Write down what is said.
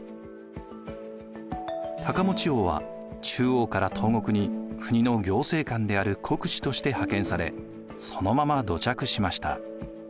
高望王は中央から東国に国の行政官である国司として派遣されそのまま土着しました。